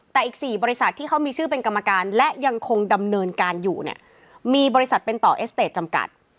แต่อีก๔บริษัทที่เขามีชื่อเป็นกรรมการและยังคงดำเนินการอยู่เนี่ยมีบริษัทเป็นต่อเอสเตจจำกัด